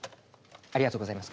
ありがとうございます。